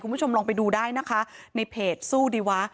คุณผู้ชมลองไปดูได้นะคะในเพจสู้ดีวะ